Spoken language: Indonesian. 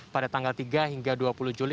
pada tanggal tiga hingga dua puluh juli